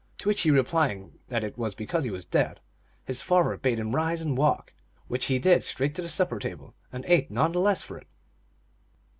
To which he replying that it was because he was dead, his father bade him rise and walk, which he did straight to the supper table, and ate none the less for it.